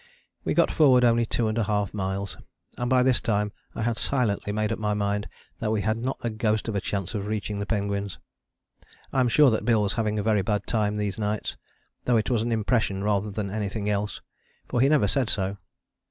We got forward only 2½ miles, and by this time I had silently made up my mind that we had not the ghost of a chance of reaching the penguins. I am sure that Bill was having a very bad time these nights, though it was an impression rather than anything else, for he never said so.